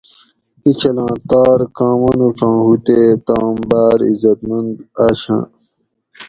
ایچھلاں تار کاں مانوڄاں ھو تے تام باۤر عزتمند آشاۤں